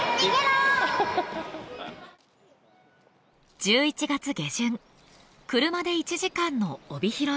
１１月下旬車で１時間の帯広へ。